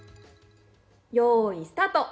よーい、スタート！